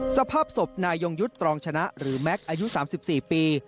สภาพศพนายยุทธ์ตรองชนะหรือแม็กซ์อายุสามสิบสี่ปี